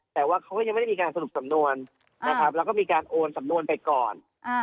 แต่ว่าเขายังไม่มีการสนุกสำนวนแล้วก็มีการโอนสำนวนไปก่อน